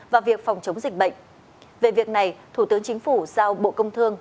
và việc phòng chống dịch bệnh về việc này thủ tướng chính phủ giao bộ công thương